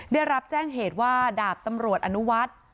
ได้รับแจ้งเหตุว่าดาบตำรวจอนุวัฒน์